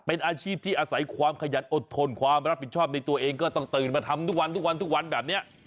เป็นอาชีพที่อาศัยความขยันอดทนความรับผิดชอบในตัวเองก็ต้องตื่นมาทำทุกวันทุกวันทุกวันแบบนี้